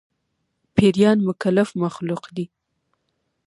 پيريان مکلف مخلوق دي